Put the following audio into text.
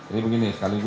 ini begini sekali lagi